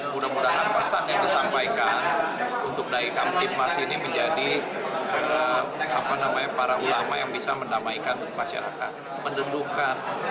mudah mudahan pesan yang disampaikan untuk daikam di mas ini menjadi para ulama yang bisa mendamaikan masyarakat